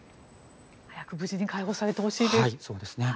早く無事に解放されてほしいです。